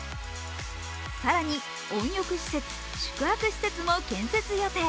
更に温浴施設、宿泊施設も建設予定